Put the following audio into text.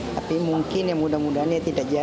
tapi mungkin yang mudah mudahan tidak jauh